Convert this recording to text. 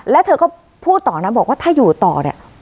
แล้วเธอก็พูดต่อนะบอกว่าถ้าอยู่ต่อเนี่ย